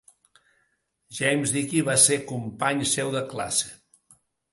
James Dickey va ser company seu de classe.